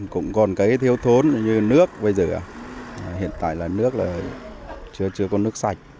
cũng còn cái thiếu thốn như nước bây giờ hiện tại là nước là chưa có nước sạch